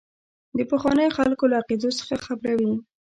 د پخوانیو خلکو له عقیدو څخه خبروي.